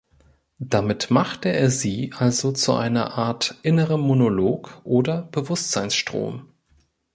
Damit machte er sie also zu einer Art innerem Monolog oder Bewusstseinsstrom.